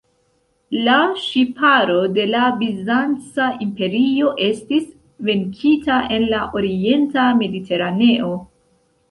La ŝiparo de la Bizanca Imperio estis venkita en la orienta Mediteraneo.